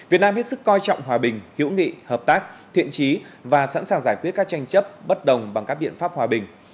việt nam hết sức coi trọng hòa bình hữu nghị hợp tác thiện trí và sẵn sàng giải quyết các tranh chấp bất đồng bằng các biện pháp hòa bình